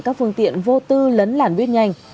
các phương tiện vô tư lấn làn viết nhanh